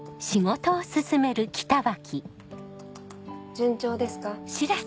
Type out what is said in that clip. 順調ですか？